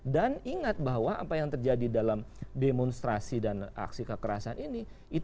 dan ingat bahwa apa yang terjadi dalam demonstrasi dan aksi kekerasan ini